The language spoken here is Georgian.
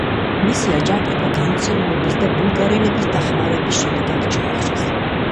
მისი აჯანყება გამცემლობის და ბულგარელების დახმარების შედეგად ჩაახშეს.